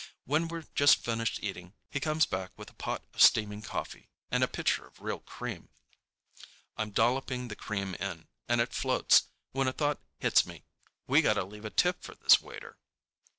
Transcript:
When we're just finished eating, he comes back with a pot of steaming coffee and a pitcher of real cream. I'm dolloping the cream in, and it floats, when a thought hits me: We got to leave a tip for this waiter.